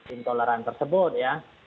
intoleran tersebut ya